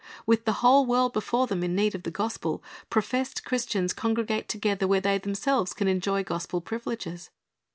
With the whole world before them in need of the gospel, professed Christians congregate together where they themselves can enjoy gospel privileges.